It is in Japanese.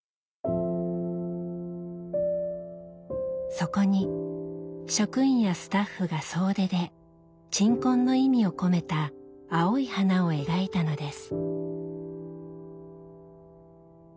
そこに職員やスタッフが総出で“鎮魂”の意味を込めた青い花を描いたのです。